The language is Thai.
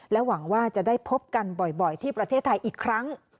หวังว่าจะได้พบกันบ่อยที่ประเทศไทยอีกครั้ง